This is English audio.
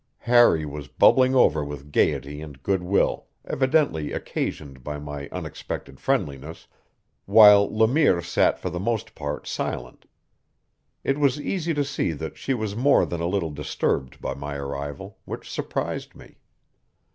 Harry was bubbling over with gaiety and good will, evidently occasioned by my unexpected friendliness, while Le Mire sat for the most part silent. It was easy to see that she was more than a little disturbed by my arrival, which surprised me.